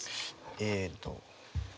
えっと。